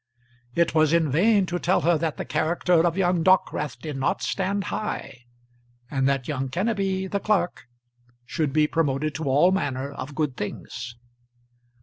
It was in vain to tell her that the character of young Dockwrath did not stand high, and that young Kenneby, the clerk, should be promoted to all manner of good things.